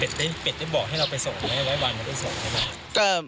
เป็ดจะบอกให้เราไปส่งไหมว่าวันจะไปส่งไหม